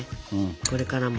これからも。